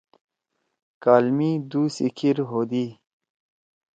کال می دُو سی کھیِر ہودی۔